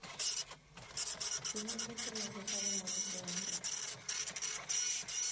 Finalmente, las dejaba morir de hambre.